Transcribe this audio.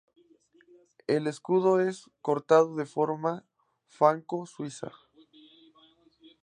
El escudo es cortado de forma Fanco-Suiza.